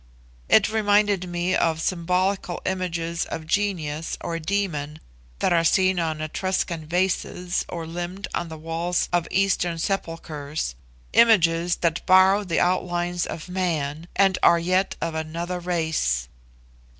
It reminded me of symbolical images of Genius or Demon that are seen on Etruscan vases or limned on the walls of Eastern sepulchres images that borrow the outlines of man, and are yet of another race.